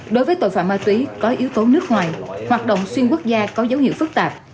đối với tội phạm ma túy có yếu tố nước ngoài hoạt động xuyên quốc gia có dấu hiệu phức tạp